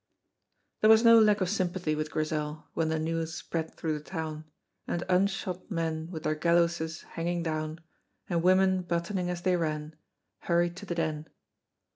There was no lack of sympathy with Grizel when the news spread through the town, and unshod men with their gallowses hanging down, and women buttoning as they ran, hurried to the Den.